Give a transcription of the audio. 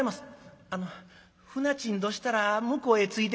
「あの舟賃どしたら向こうへ着いてから」。